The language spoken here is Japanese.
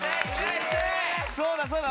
そうだそうだ。